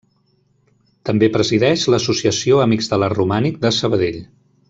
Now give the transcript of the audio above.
També presideix l'associació Amics de l'Art Romànic de Sabadell.